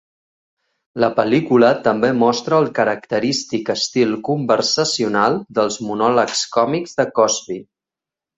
La pel·lícula també mostra el característic estil conversacional dels monòlegs còmics de Cosby.